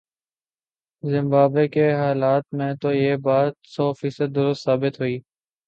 Zimbabwe کے حالات میں تو یہ بات سوفیصد درست ثابت ہوئی۔